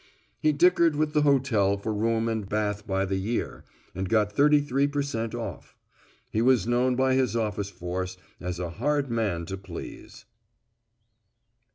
He dickered with the hotel for room and bath by the year and got thirty three per cent off. He was known by his office force as a hard man to please.